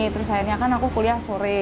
terus akhirnya kan aku kuliah sore